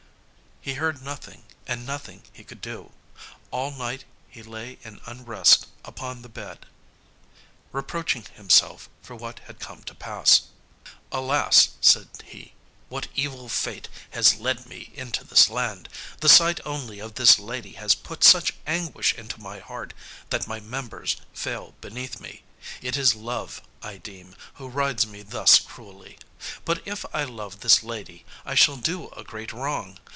He heard nothing, and nothing he could do. All night he lay in unrest upon the bed, reproaching himself for what had come to pass. "Alas," said he, "what evil fate has led me into this land! The sight only of this lady has put such anguish into my heart that my members fail beneath me. It is Love, I deem, who rides me thus cruelly. But if I love this lady I shall do a great wrong.